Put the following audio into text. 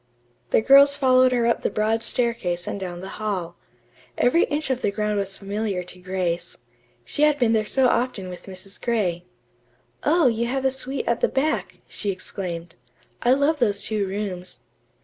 The girls followed her up the broad staircase and down the hall. Every inch of the ground was familiar to Grace. She had been there so often with Mrs. Gray. "Oh, you have the suite at the back," she exclaimed. "I love those two rooms."